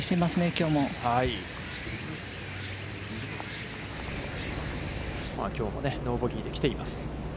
きょうもノーボギーで来ています。